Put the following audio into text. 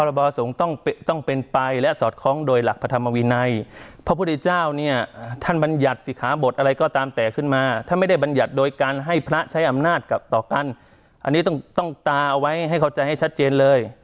สงฆ์ต้องเป็นไปและสอดคล้องโดยหลักพระธรรมวินัยพระพุทธเจ้าเนี่ยท่านบรรยัติสิขาบทอะไรก็ตามแต่ขึ้นมาถ้าไม่ได้บรรยัติโดยการให้พระใช้อำนาจกับต่อกันอันนี้ต้องต้องตาเอาไว้ให้เข้าใจให้ชัดเจนเลย